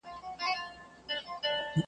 زه په خیال کي شاه جهان د دې جهان وم .